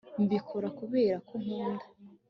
mbikora kubera ko nkunda